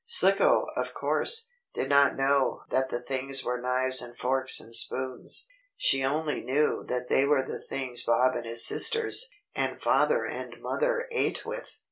Slicko, of course, did not know that the things were knives and forks and spoons. She only knew they were the things Bob and his sisters, and father and mother ate with.